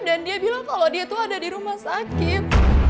dan dia bilang kalau dia tuh ada di rumah sakit